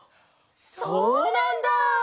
そうなんだ！